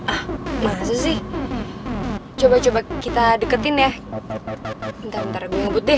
ah gimana sih coba coba kita deketin ya ntar ntar gue ngebut deh